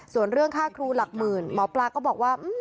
ส่วนเรื่องค่าครูหลักหมื่นหมอปลาก็บอกว่า